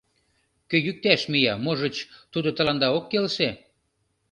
Кӧ йӱкташ мия, можыч, тудо тыланда ок келше.